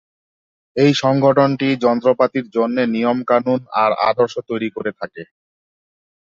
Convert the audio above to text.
এই সংগঠনটি যন্ত্রপাতির জন্যে নিয়ম-কানুন আর আদর্শ তৈরি করে থাকে।